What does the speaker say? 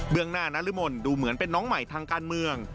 เรื่องหน้านรมนดูเหมือนเป็นน้องใหม่ทางการเมือง